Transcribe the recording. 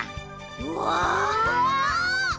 うわ！